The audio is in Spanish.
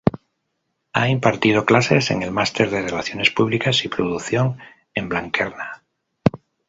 Ha impartido clases en el máster de relaciones públicas y producción en Blanquerna.